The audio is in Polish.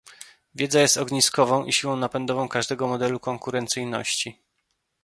Wiedza jest ogniskową i siłą napędową każdego modelu konkurencyjności